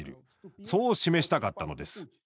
そう示したかったのです。